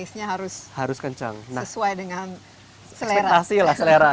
iya tastenya harus sesuai dengan selera